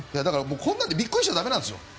こんなんでびっくりしちゃ駄目なんですよ。